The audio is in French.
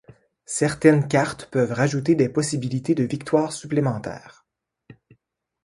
Certaines cartes peuvent rajouter des possibilités de victoires supplémentaires.